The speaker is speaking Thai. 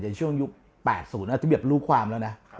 จะช่วงยุค๘๐อธิบยศรู้ความแล้วนะ